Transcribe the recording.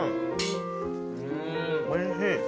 おいしい。